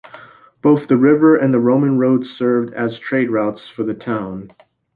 Both the river and the Roman road served as trade routes for the town.